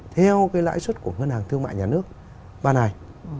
theo lãi suất của ngân hàng thương mại nhà nước ban hài